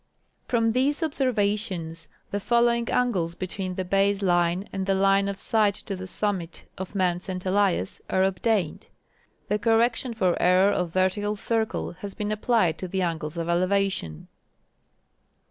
From these observations the following angles betAveen the base line and the line of sight to the summit of Mount St. Elias are obtained. The correction for error of vertical circle has been applied to the angles of elevation.